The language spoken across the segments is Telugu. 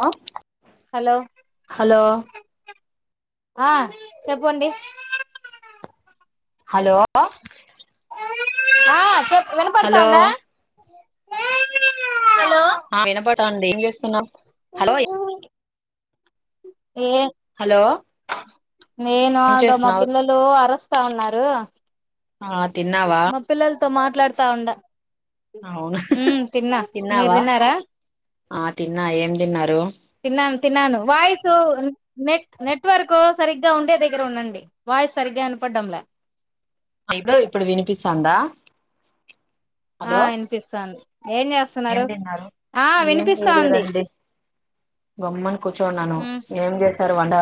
హా హలో ఆ చెప్పండి హలో ఆ చెప్ హలో వినపడతాందా హలో ఆ వినపడతాంది ఏం జేస్ హలో ఏ హలో నేనా ఏం అదో మా చేస్తున్నావు పిల్లలు అరస్ స్తా ఉన్నారు ఆ తిన్నావా తోమాట్లాడ్తా ఉండ అవును మ్మ్ తిన్నా మీరు తిన్నావా తిన్నారా ఆ తిన్నా ఏం తిన్నారు తిన్నాను తిన్నాను వాయిస్ సో నెట్ నెట్వర్క్ సరిగ్గా ఉండే దగ్గర వున్నండి వాయిస్ సరిగ్గా వినపడ్డంలె ఐతే ఇప్పుడు వినిపిస్తాందా ఆ హలో వినిపిస్తాంది ఏం చేస్తున్నారు ఏం తిన్నారు ఆ ఏం వినిపిస్తాంది చెయ్లేదండి గొమ్మన కుచ్చొన్నాను ఉమ్ ఏం జేస్ తరవండ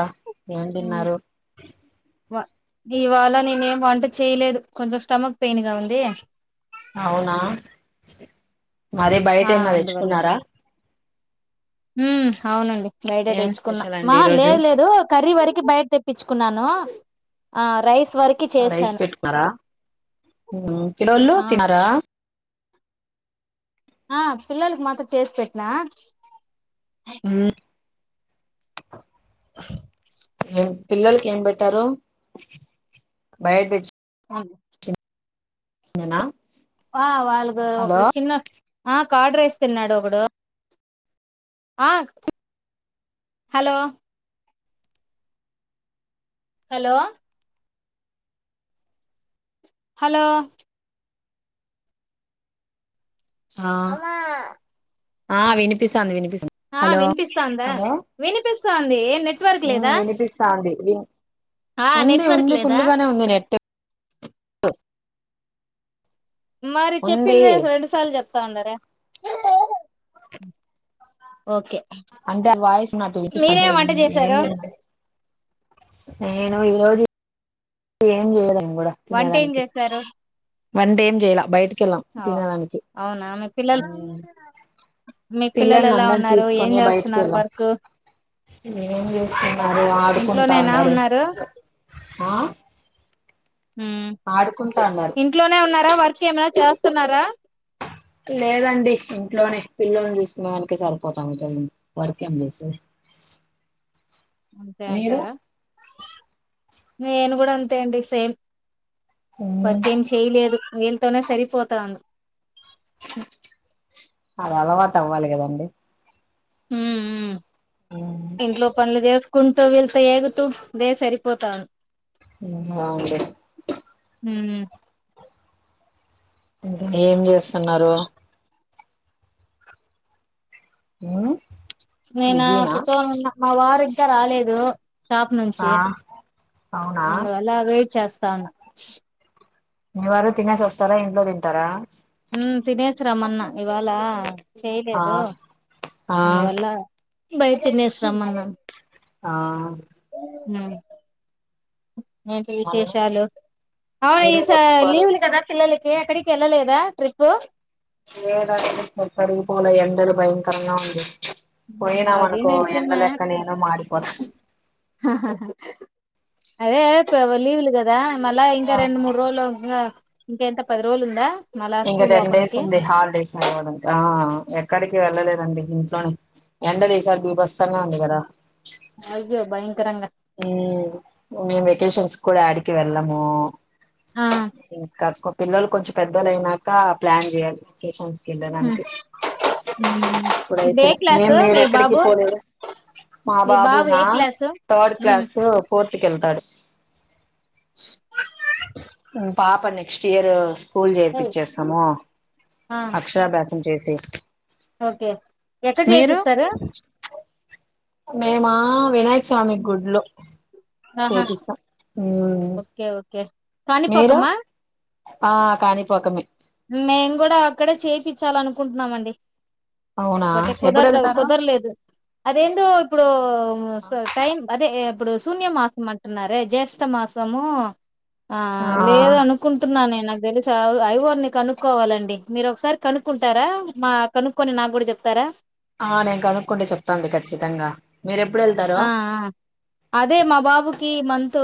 ఏం తిన్నారు వ ఇవాళ నేనేం వంట చెయ్లేదు కొంచెం స్టమక్ పెయిన్ గా ఉంది అవునా మరే ఆ బయటేమన్నా తెచ్చుకున్నారా మ్మ్ అవునండి బయటే ఏం తెచ్చుకున్నా స్పెషల్ అండి ఈ మహా రోజు లేదు లేదు కర్రీ వరికి బైట్ తెప్పిచ్ కున్నాను ఆ రైస్ వరకి అ రైస్ చేశాను పెట్టుకున్నారా మ్మ్ పిలోల్లు ఆ తినరా ఆ పిల్లలకి మాత్రం చేసి పెట్నా మ్మ్ ఏం పిల్లలకేం పెట్టారు బయట్ దెచ్ [unintelligible] నేనా ఆ వాళ్గు ప్ర చిన్న ఆ కార్డ్రైస్ తిన్నాడొగడు ఆ హలో హలో హలో ఆ అమా ఆ వినిపిస్సాంది విని ఆ వినిపిస్తా అందా వినిపిస్ స్థాంది వినిపిస్తాంది విన్ ఆ ఉంది నెట్వర్క్ ఉంది లేదా ఫుల్గానే ఉంది నెట్ సఓ మరి ఉంది చెప్పింది రెండు సార్లు చెప్తా ఉండారే ఓకే అంటే ఆ వాయిస్ నాటు మీరేం వంట చేశారు ఏంది నేను ఈ రోజు ఏం లేద వంట ఏం చేశారు వంట ఏమ్ చేయలా బయట కెళ్ళం తినడానికి అవునా మీ పిల్లలు మీ పిల్లలు పిల్లల్ని ఎలా అందని ఉన్నారు ఏం తీసుకొని బయటకి చేస్తున్నారు వెళ్ళాం వర్క్ ఏం చేస్తున్నారు ఆడుకుంటా ఇంట్లోనేనా ఉండారు ఉన్నారు ఆ హ్మ్ ఆడుకుంటా ఉన్నారు ఇంట్లోనే ఉన్నారా వర్క్ చ స్తున్నారా లేదండి ఇంట్లోనే పిల్లని చూసుకునేదానికే సరిపోతాంది టైమ్ వర్క్ ఎంచేసేది అంతే మీరు అంటారా నేను కూడా అంతే అండి సేమ్ ఉమ్ వర్కేం చేయలేదు తోనే సరిపోతాంది అది అలవాటు అవ్వాలి కదండి హ్మ్ హు ఇంట్లో పనులు చేస్ కుంటూ వెళ్త ఏగుతూ ఇదే సరిపోతా అండి హ్మ్ ఏం చేస్తున్నారు హ్మ్ నేనా కుస్సోనున్న మా వారింకా రాలేదూ షాప్ నుంచి ఆ అవునా అందు వల్ల వెయిట్ చేస్తాన్నా మీవారు తినేసి ఒస్తారా ఇంట్లో తింటారా తినేసి రమ్మన్నా ఇవాలా ఆ చేయలేదు ఆ అందువల్ల బయటి తినేసి రమ్మన్నాను ఆ ఉన్నారు ఏంటి మళ్ళ విశేషాలు ఔ ఈ మీరే స చెప్పారు లీవ్ లు కదా పిల్లల ఎక్కడికి ఎళ్ళలేదా ట్రిప్పు [inaudible] పోలే ఎండలు భయంకరంగా ఉంది అది పోయినామనుకో నిజమే ఎండలెక్క నేనూ మాడిపోతా అదే ప లీవులు గ దా మళ్ళ ఇంకా రెండు ఆ మూడు రోజులు గ ఇంకెంత పది రోజులుందా ఇంక టెన్ డేస్ ఉంది హాలిడేస్ అవడా ఆ ఎక్కడికి వెళ్ళలే రండి ఇంట్లోనే ఎండలీసార్ భీభత్సంగా ఉంది కదా అయ్యో భయంకరంగా హ్మ్మ్ మేం వేకేషన్స్ కూడా యాడికి వెళ్ళమ ఆ ఇంకా కు పిల్లలు కొంచం పె మొదలైనాక ప్లాన్ చేయాలి వెకేషన్స్ వెళ్ళడానికి ఇప్పుడు ఇప్పుడైతే ఏ ఏం క్లాసు మీ మీరెక్కడికి బాబు పోలేదా మా మీ బాబు ఏ బాబునా క్లాసు థర్డ్ క్లాస్ ఫోర్త్ కెళ్తాడు స్ ఉమ్, పాప నెక్స్ట్ ఇయర్ స్కూల్ చేర్పిచ్చేస్తాము ఆ అక్షరాభ్యాసం చేసి ఓకే ఎక్కడ మీరు చేర్పిస్తారు మేమా వినాయ స్వామి గుళ్ళో ఆహా చేపిస్తాం ఓకే ఓకే మీరు కాణిపాకమా ఆ కాణిపాకమే మేం కూడా అక్కడే చెయ్ పిచ్చాలనుకుంటున్నామండి అవునా పోతే ఎప్పుడు కుదర్డ్ వెళ్తారు కుదర్లేదు అదేందో ప్పుడు స్ టైం అదే ఎ ఇప్పుడు శూన్య మాసం అంటున్నారే జ్యేష్ట మాసము ఆ లేదనుకుంటున్నానే నాకు తెలుస ఐవోర్ ని కనుక్కోవాలండి మీరొకసారి కనుక్కుంటారా మా కనుక్కోని నాక్కూడా చెప్తారా ఆ నేను కనుక్కుంటే చెప్తాండి ఖచ్చితంగా మీరెప్పుడు వెళ్తారు ఆ ఆ అదే మా బాబుకి మం తూ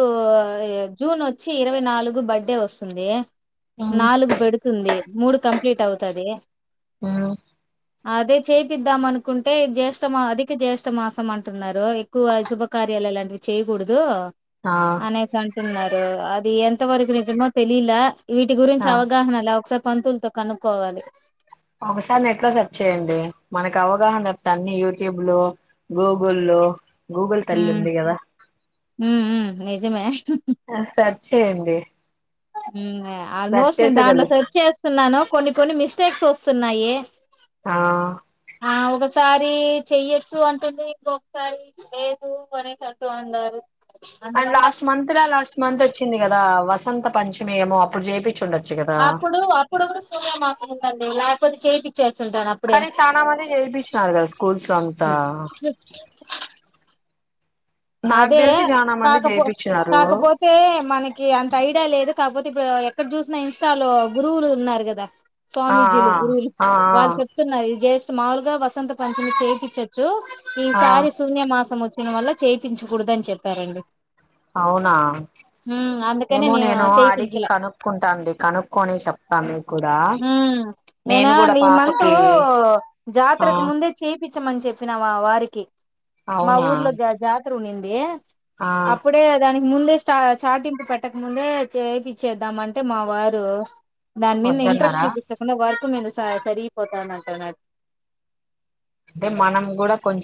జూన్ వచ్చి ఇరవై నాలుగు బడ్డే వస్తుంది మ్మ్ నాలుగు పెడుతుంది మూడు కంప్లీట్ అవుతాది ఆమ్ అదే చేపిద్దాం అనుకుంటే జ్యేష్టమా అధిక జ్యేఠ మాసం అంటున్నారు ఎక్కువ శుభకార్యాల లాంటివి చేయకూడదు ఆ అనేసి అంటున్నారు అద్ అది ఎంతవరకు నిజమో తెలిల వీటి గురించి ఆ అవగాహనల ఒకసారి పంతుల్తో కనుక్కోవాలి ఒకసారి నెట్ లో సెర్చ్ చేయ్యండి మనకి అవగాహన వత్తాయ్ అన్ని యూట్యూబ్ లో గూగుల్ లో గూగుల్ తల్లి ఉమ్ ఉంది కదా ఉమ్ ఉమ్ నిజమే సర్చ్ చేయండి హుమ్మ్ సెర్చ్ ఆల్మోస్ట్ నేను చేస్తే దాంట్లో తెలుస్తుంది సర్చ్ చేస్తున్నాను కొన్ని కొన్ని మిస్టేక్స్ వస్తున్నాయి ఆ ఆ ఒకసారి ది చెయ్యొచ్చు అంటుంది ఇంకొకసారి లేదు అనేసి అంటూ ఉన్నారు అండ్ అందువల్ల లాస్ట్ మంత్ లా లాస్ట్ మంత్ వచ్చింది గదా వసంత పంచమి ఏమో అప్పుడు జేపి అప్పుడు అప్పుడు కూడా సూర్మాకు మాసం ఉందండి పది చేపిచ్చేస్ కానీ చానా మంది చేయిపించినారు గదా స్కూల్స్ లో అంతా నాకు అదే తెలిసి చాలా మంది కాకపో చేయిపించినారు కాకపోతే మనకి అంత ఐడా లేదు కాకపోతే ఇప్పుడు ఎక్కడ చూసినా ఇన్స్టాలో గురువులు ఉన్నారు గదా ఆ స్వామీజీలు గురువులు ఆ ఆ వాళ్ళు చెప్తున్నారు జేస్ సమాల్గా వసంత పంచమి చేయించచ్చు ఈ ఆ శారి ఆ శూన్య మాసం వచ్చు ఇన్వల్ల చేపించకూడదు అని చెప్పారండి అవునా అమ్ అందుకనే ఏమో నేను అడిగి చేపించలే కనుక్కుంటానులే కనుక్కొని చెప్తా మీకు కూడా హుమ్మ్ నేన నేను కూడా ఈ మంతూ పాపకి ఆ జాతరకు ముందే చేపిచమని చెప్పినా మా వారికి మా అవునా ఊర్లో గ ఉనింది ఆ అప్పుడే దాని ముందే స్టా చాటింపు పెట్టక ముందే చేపిచ్చేద్దాం అంటే మా వారు దాన్మీద ఇంట్రెస్ట్ వద్దన్నారా చూపించకుండా వర్క్ మీద స సరిగిపోతాన్నారు తనా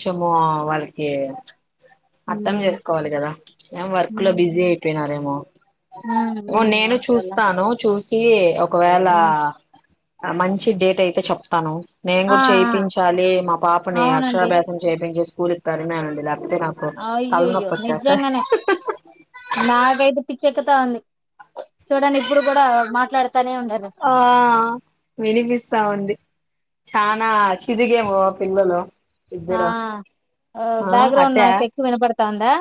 కొమో వాళ్ళకి అర్థం ఉమ్ చేసుకోవాలి కదా ఏం వర్క్ లో ఉమ్ బిజీ అయిపోయినారేమో అందువల్ల కే ఓ ఒకవేళ మంచి డేట్ అయితే చెప్తాను నేను ఆ కూడా ఆ చేపించాలి మా ఇప్పుడు నే అవునండి అక్షరాభ్యాసం చే కేజీ యస్ స్కూల్ కరుణ అండి ల్యాబ్ ఆ అయ్యో అయ్యో నిజంగనే నాగైదు పిచ్చెకుతా ఉంది చూడండి ఇప్పుడు కూడా మాట్లాడుత ఆ వినిపిస్తా ఉంది చనా చిదిగేమో పిల్లలు ఇద్దరు ఆ ఆ అత్త బ్యాక్గ్రౌండ్ నాయిస్ ఎక్కువ వినపడు తందా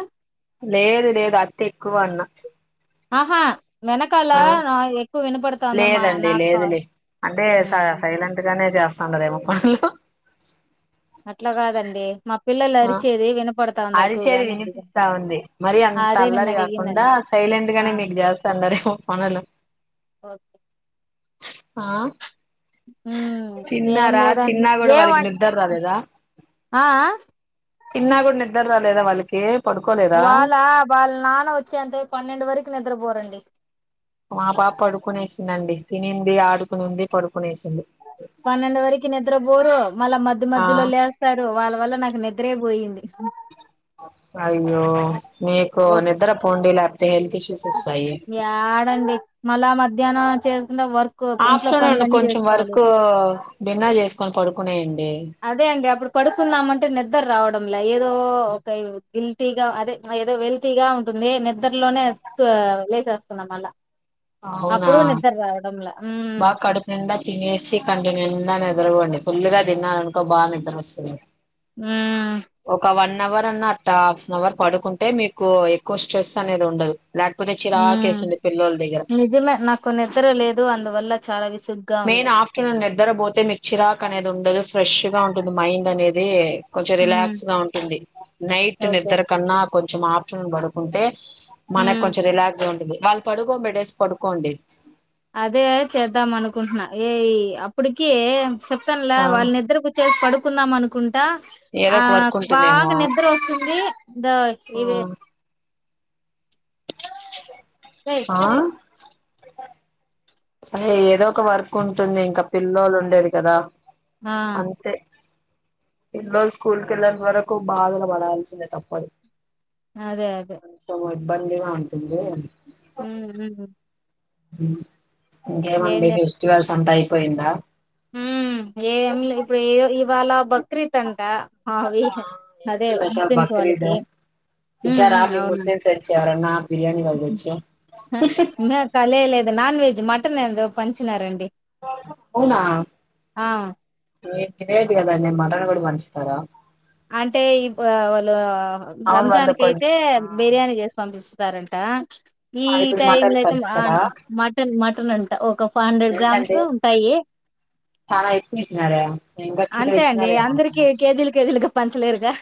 లేదు లేదు అతి ఎక్కువ అన్నా ఆహా వెనకాల ఆ నా ఎక్కువ వినపడుతోందమ్మా లేదండి నాకు కా లేదు లే అంటే హ్మ్. సైలెంట్ గానే చేస్తాండదేమ పనులు అట్లా కాదండి మా పిల్లలు ఆ అరిచేది వినపడతాందా అరిచేది ఎక్కువగానే అడిగా వినిపిస్తా ఉంది మరి అంత అదే నేను అల్లరి కాకుండా అడిగిందండి సైలెంట్ ఆ గానే మీకు చేస్తా అన్నారు రేమో పనులు ఓకే ఆ ఏమ్ ఏం తిన్నారా లేదండి తిన్నా కూడా ఏ వాళ్ళకి నిద్ర ఆ ఇన్నా కూడా నిద్ర రాలేదా వాళ్ళకి పడుకోలేదా వాళ్ళ వాళ్ళ నాన్న వచ్చేంత పన్నెండు వరకు నిద్రపోరండి తిన్నింది ఆడుకున్నంది పడు పన్నెండ వరకు నిద్ర పోరు మళ్ళ మధ్య ఆ మధ్యలో లేస్తారు వాళ్ళ వల్ల నాకు నిద్ర పోయింది [inaudible] అయ్యో మీకు నిద్రపోండి య్యడండి మళ మధ్యాహ్న చె ఆఫ్టర్నూన్ కొంచెం వర్క్ భిన్న చేసుకొని పడుకున్నాయండి అదే అండి అప్పుడు పడుకున్నామ అంటే నిద్ర రావడ ఏదో ఒక గిల్తగా అదే ఏదో వెల్తగా ఉంటుంది నిద్రలోనే లేసేస్తున్నాం అళ్ళ అవునా అప్పుడు నిద్ర రావడంలా ఉమ్ బాగా కడుపు నిండా తినేసి కండి నిండా నిద్ర వొండి ఫుల్ గా తిన్నారనుకో బాగా నిద్ర వస్తుంది ఉమ్ ఒక వన్ అవర్ అన్నట్ట హాఫ్ అన్ అవర్ పడుకుంటే మీకు ఎక్కువ స్ట్రెస్ అనేది ఉండదు లేకపోతే ఉమ్ చిరాకేస్తుంది పిల్లోల దగ్గర నిజమే నాకు నిద్ర లేదు అందువల్ల చాలా విస్ మెయిన్ ఆఫ్టర్నూన్ నిద్దర పోతే మీకు చిరాకు అనేది ఉండదు ఫ్రెష్ గా ఉంటుంది మైండ్ అనేది కొంచం ఉమ్ రిలాక్స్ గా ఉంటుంది నైట్ ఓకే నిద్ర కన్నా కొంచెం ఆఫ్టర్నూన్ పడుకుంటే మనకు ఉమ్ కొంచెం రిలాక్స్ గా ఉంటుది వాళ్ళు పడుకోబెడేసి పడుకోండి అదే చేద్దాం అనుకుంటున్నా ఏ అప్పటికి చెప్తనులా ఆ వాళ్ళని నిద్దరుకు చేసి పడు కుందాం అనుకుంటా ఏదో ఆ ఒక వర్క్ ఉంటుందేమో బాగా నిద్ర వస్తుంది ద ఇవే రస్ అరే ఏదో ఒక వర్క్ ఉంటుంది ఇంకా పిల్లోలు ఉండేది కదా ఆ అంతే పిల్లొల్లు స్కూల్ కి వెళ్ళంత వరకు బాధలు పడాల్సిందే తప్పదు అదే అదే బందివా అంటుంది హ్మ్ హ్మ్ అ ఇంకేమండి ఫెస్టివల్స్ అంతాయి పోయిందా ఉమ్ ఏం లే ఇప్పుడు ఏ ఇవాళ బక్రీత్ అంట అవి ఏం అదే స్పెషల్ ముస్లిమ్స్ బక్రీదు వాళ్ళకి ఇచ్చారమి ముస్లిం నుంచి ఎరన్నా మ కాలే లేదు నాన్ వెజ్ మటన్ ఏదో పంచినారంండి అవునా గానే మటన్ కూడా వంచూతారా అంటే ఈ వాళ్ళు అవును రంజాన్ వాళ్ళు క కొం అయితే బిర్యానీ చేసి పంపిస్ సారంటా ఈ ఆ ఇప్పుడు టైమ్ మటన్ లో అయితే పంచుతారా మటన్ మటన్ అ ఒక ఫైవ్ హండ్రెడ్ గ్రామ్స్ ఎంతంటే ఉంటాయి చానా ఎక్కువిచ్చినారే అంతే అండి అందరికిీ కేజీలు కేజీలుగా పంచలేరుగా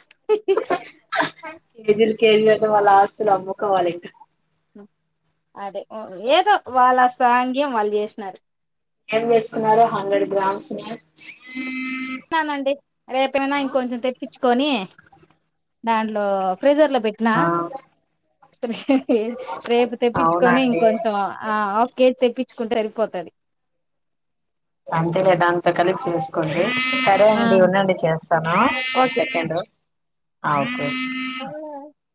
కేజీ ఆంటే వాళ్ళ ఆస్తులు అమ్ముకోవాలి ఇంకా సాఘ్యం వాళ్ళు చేసినారు ఏం చేసుకున్నారు హండ్రెడ్ గ్రామ్స్ ని అనండి రేపనా ఇంకొంచెం తెప్పించు కొని దాంట్లో ఫ్రీజర్ లో పెట్టినా ఆ రేపు తెప్పిచ్చుకొని అవునండి ఇంకొంచెం హాఫ్ కె ఇప్పిచ్చుకుంటే అరిగిపోతది అంతేలే దాంతో కలిపి చేసుకోండి సరే ఆ అండి ఉండండి చేస్తాను ఒక సెకండ్ అ ఒ కే అల్లా